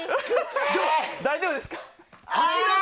大丈夫ですか？